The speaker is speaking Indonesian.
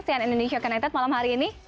cnn indonesia connected malam hari ini